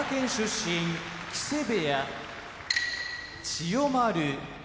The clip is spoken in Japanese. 身木瀬部屋千代丸